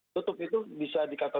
tutup itu bisa dikatakan